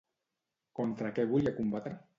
Contra què volia combatre?